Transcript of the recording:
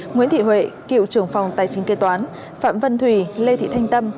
nguyễn thị huệ cựu trưởng phòng tài chính kế toán phạm vân thùy lê thị thanh tâm